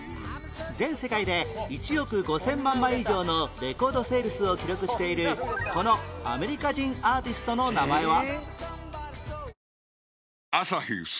全世界で１億５０００万枚以上のレコードセールスを記録しているこのアメリカ人アーティストの名前は？